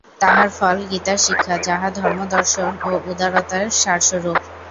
তাহার ফল গীতার শিক্ষা, যাহা ধর্ম দর্শন ও উদারতার সারস্বরূপ।